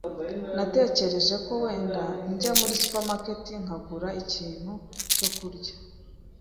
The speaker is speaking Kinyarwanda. Natekereje ko wenda njya muri supermarket nkagura ikintu cyo kurya.